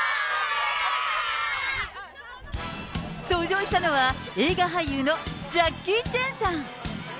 登場したのは、映画俳優のジャッキー・チェンさん。